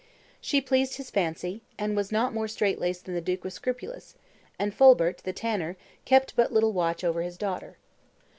She pleased his fancy, and was not more strait laced than the duke was scrupulous; and Fulbert, the tanner, kept but little watch over his daughter.